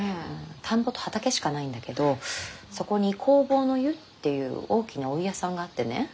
田んぼと畑しかないんだけどそこに弘法湯っていう大きなお湯屋さんがあってね。